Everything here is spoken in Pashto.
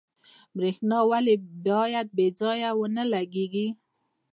برښنا ولې باید بې ځایه ونه لګیږي؟